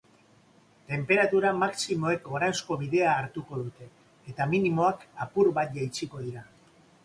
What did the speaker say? Tenperatura maximoek goranzko bidea hartuko dute, eta minimoak apur bat jaitsiko dira.